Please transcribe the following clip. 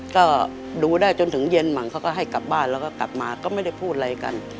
ก็ดูได้จนถึงเย็นหมั่งเขาก็ให้กลับบ้านแล้วก็กลับมาก็ไม่ได้พูดอะไรกัน